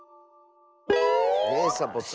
ねえサボさん。